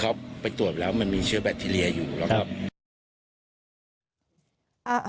เขาไปตรวจแล้วมันมีเชื้อแบคทีเรียอยู่แล้วก็